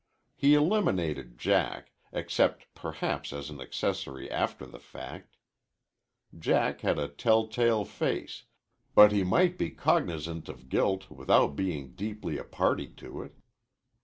He eliminated Jack, except perhaps as an accessory after the fact. Jack had a telltale face, but he might be cognizant of guilt without being deeply a party to it.